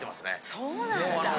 そうなんだ？